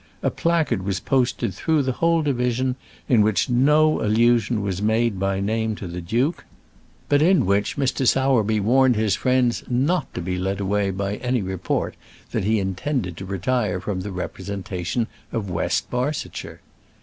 A placard was posted through the whole division in which no allusion was made by name to the duke, but in which Mr. Sowerby warned his friends not to be led away by any report that he intended to retire from the representation of West Barsetshire.